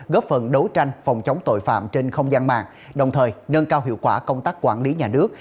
góp phần đấu tranh phòng chống tội phạm trên không gian mạng đồng thời nâng cao hiệu quả công tác quản lý nhà nước